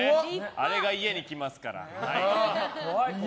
あれが家に来ますから。